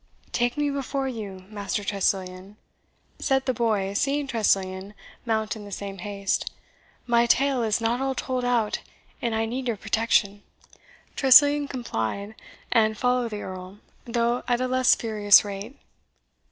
"Take me before you, Master Tressilian," said the boy, seeing Tressilian mount in the same haste; "my tale is not all told out, and I need your protection." Tressilian complied, and followed the Earl, though at a less furious rate.